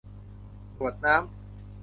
กรวดน้ำ